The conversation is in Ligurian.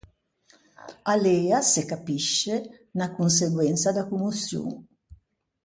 A l’ea, se capisce, unna conseguensa da commoçion.